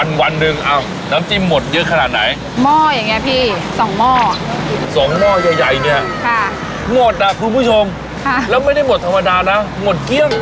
แล้วไม่ได้หมดธรรมดานะหมดเคี้ยง